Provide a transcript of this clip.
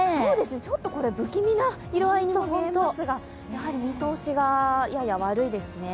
ちょっと不気味な色合いに見えますが、見通しがやや悪いですね。